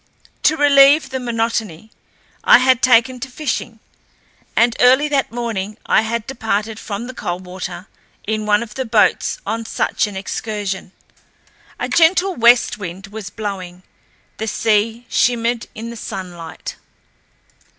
To relieve the monotony I had taken to fishing, and early that morning I had departed from the Coldwater in one of the boats on such an excursion. A gentle west wind was blowing. The sea shimmered in the sunlight.